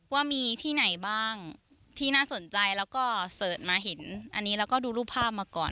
ว่ามีที่ไหนบ้างที่น่าสนใจแล้วก็เสิร์ชมาเห็นอันนี้แล้วก็ดูรูปภาพมาก่อน